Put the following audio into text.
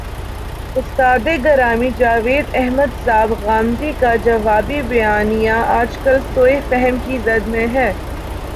استاد گرامی جاوید احمد صاحب غامدی کا جوابی بیانیہ، آج کل سوء فہم کی زد میں ہے۔